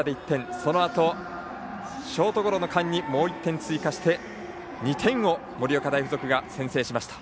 そのあとショートゴロの間にもう１点追加して、２点を先制しました。